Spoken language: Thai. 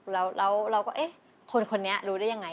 แล้วเราก็คนนี้รู้ได้อย่างไร